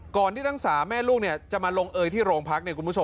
ก่อนที่ทั้งสามแม่ลูกจะมาลงเอยที่โรงพัก